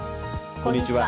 こんにちは。